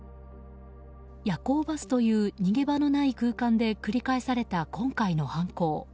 夜行バスという逃げ場のない空間で繰り返された今回の犯行。